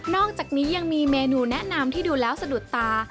อกจากนี้ยังมีเมนูแนะนำที่ดูแล้วสะดุดตา